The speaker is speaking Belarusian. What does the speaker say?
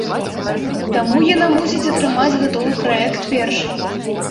Таму яна мусіць атрымаць гатовы праект першай.